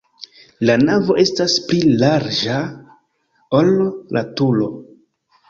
La navo estas pli larĝa, ol la turo.